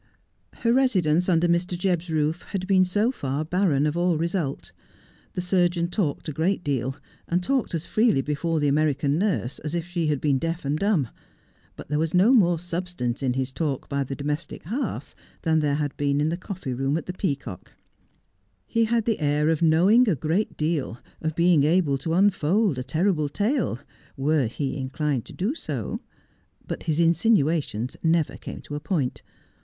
Her residence under Mr. Jebb's roof had been so far barren of all result. The surgeon talked a great deal, and talked as freely before the American nurse as if she had been deaf and dumb ; but there was no more substance in his talk by the domestic hearth than there had been in the coffee room at the 238 Just as I Am. Peacock. Tie had the air of knowing a great deal— of being able to unfold a terrible tale— were he inclined to do so, but his insinuations never came to a point.